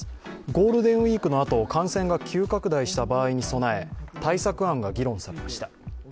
ゴールデンウイークのあと、感染が急拡大した場合に備え、対策案が議論されました。